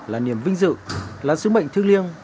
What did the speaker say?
là niềm vinh dự là sứ mệnh thư liêng